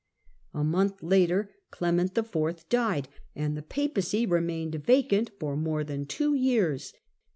A month later Clement IV. died, and the Papacy remained vacant for more than two years.